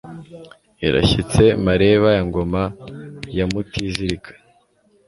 Irashyitse Mareba Ya ngoma ya Mutizirika